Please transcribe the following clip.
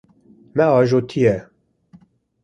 Me ajotiye.